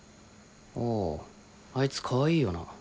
あああいつかわいいよな。